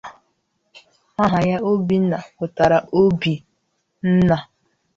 Aha ya, Obinna, pụtara "Obi Nna".